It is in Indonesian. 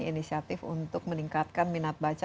inisiatif untuk meningkatkan minat baca